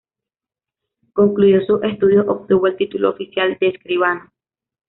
Concluidos sus estudios, obtuvo el título oficial de escribano.